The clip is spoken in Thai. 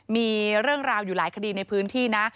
มีเรื่องราวอยู่หลายคดีในพื้นที่นะ